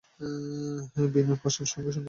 বিনুর প্রশ্নের সঙ্গে-সঙ্গেই ব্যাপারটা ঘটল।